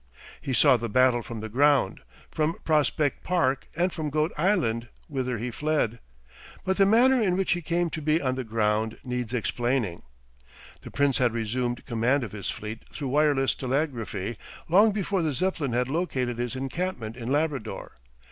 He saw the battle from the ground, from Prospect Park and from Goat Island, whither he fled. But the manner in which he came to be on the ground needs explaining. The Prince had resumed command of his fleet through wireless telegraphy long before the Zeppelin had located his encampment in Labrador.